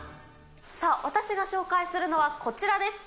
さあ、私が紹介するのはこちらです。